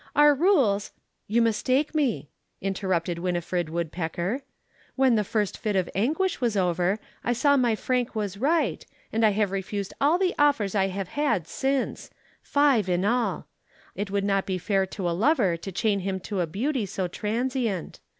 Our rules " "You mistake me," interrupted Winifred Woodpecker. "When the first fit of anguish was over, I saw my Frank was right, and I have refused all the offers I have had since five in all. It would not be fair to a lover to chain him to a beauty so transient.